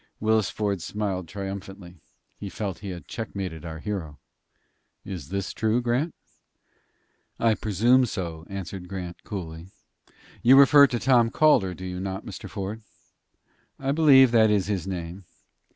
Willis Ford smiled triumphantly. He felt that he had checkmated our hero. "Is this true, Grant?" "I presume so," answered Grant, coolly. "You refer to Tom Calder, do you not, Mr. Ford?" "I believe that is his name."